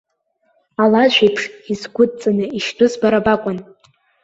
Алажә еиԥш изгәыдҵаны ишьтәыз бара бакәын!